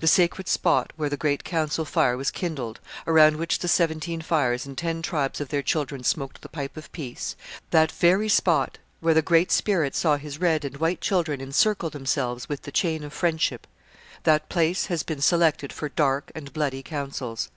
The sacred spot where the great council fire was kindled, around which the Seventeen Fires and ten tribes of their children smoked the pipe of peace that very spot, where the Great Spirit saw His red and white children encircle themselves with the chain of friendship, that place has been selected for dark and bloody councils.